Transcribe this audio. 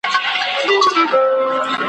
څه بې مالکه افغانستان دی `